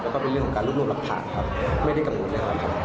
แล้วก็เป็นเรื่องของการรูปรวมหลักฐานครับไม่ได้กำลังเลยครับ